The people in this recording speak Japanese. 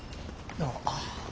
どうも。